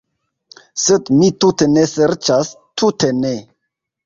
Sed mi tute ne ŝercas, tute ne.